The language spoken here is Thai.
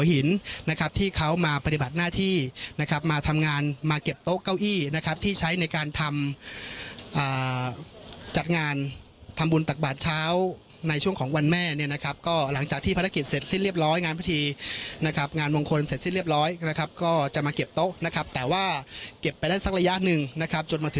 หินนะครับที่เขามาปฏิบัติหน้าที่นะครับมาทำงานมาเก็บโต๊ะเก้าอี้นะครับที่ใช้ในการทำจัดงานทำบุญตักบาทเช้าในช่วงของวันแม่เนี่ยนะครับก็หลังจากที่ภารกิจเสร็จสิ้นเรียบร้อยงานพิธีนะครับงานมงคลเสร็จสิ้นเรียบร้อยนะครับก็จะมาเก็บโต๊ะนะครับแต่ว่าเก็บไปได้สักระยะหนึ่งนะครับจนมาถึง